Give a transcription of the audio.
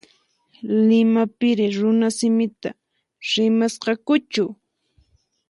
Limapiri runasimita rimasqakuchu?